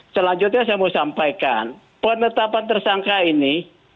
selanjutnya saya mau sampaikan penetapan tersangka ini